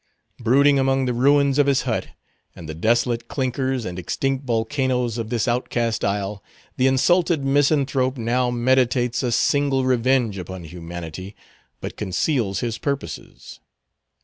Brooding among the ruins of his hut, and the desolate clinkers and extinct volcanoes of this outcast isle, the insulted misanthrope now meditates a signal revenge upon humanity, but conceals his purposes.